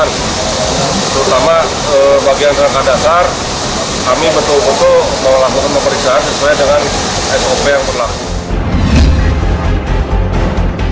terutama bagian rangka dasar kami betul betul melakukan pemeriksaan sesuai dengan sop yang berlaku